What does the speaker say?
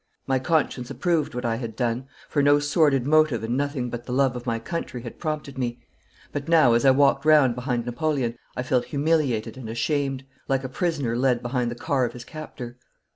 My conscience approved what I had done, for no sordid motive and nothing but the love of my country had prompted me; but now, as I walked round behind Napoleon, I felt humiliated and ashamed, like a prisoner led behind the car of his captor.